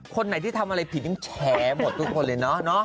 คนไหนที่ทำอะไรผิดยังแฉหมดทุกคนเลยเนาะ